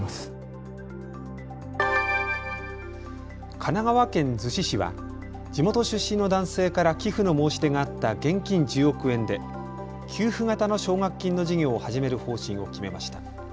神奈川県逗子市は地元出身の男性から寄付の申し出があった現金１０億円で給付型の奨学金の事業を始める方針を決めました。